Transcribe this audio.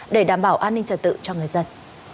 để đảm bảo an ninh trật tự cho người dân